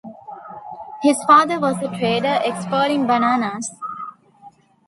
His father was a trader, exporting bananas.